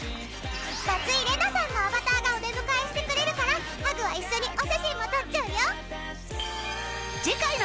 松井玲奈さんのアバターがお出迎えしてくれるからハグは一緒にお写真も撮っちゃうよ。